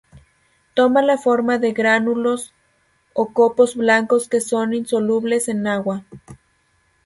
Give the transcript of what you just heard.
Toma la forma de gránulos o copos blancos, que son insolubles en agua.